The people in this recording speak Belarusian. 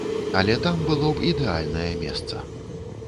Але там было б ідэальнае месца.